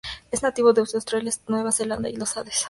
Es nativo desde Australia, Nueva Zelanda y los Andes.